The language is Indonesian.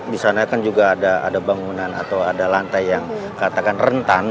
di sana kan juga ada bangunan atau ada lantai yang katakan rentan